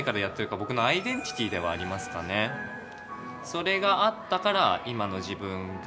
それがあったから今の自分があって。